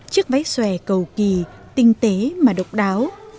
chiếc váy xòe cầu kỳ tinh tế mà độc đáo